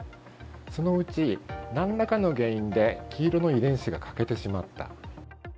そのうちなんらかの原因で黄色の遺伝子が欠けてしまった。